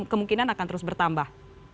kemungkinan akan terus bertambah